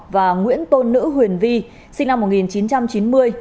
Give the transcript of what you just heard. và nguyễn tôn nữ huyền vi sinh năm một nghìn chín trăm chín mươi